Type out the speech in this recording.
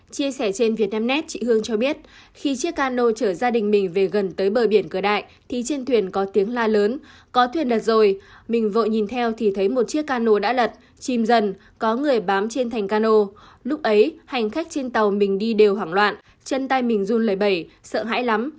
chia sẻ trên vnet chị hương cho biết khi chiếc cano chở gia đình mình về gần tới bờ biển cửa đại thì trên thuyền có tiếng la lớn có thuyền đặt rồi mình vội nhìn theo thì thấy một chiếc cano đã lật chìm dần có người bám trên thành cano lúc ấy hành khách trên tàu mình đi đều hoảng loạn chân tay mình run lời bẩy sợ hãi lắm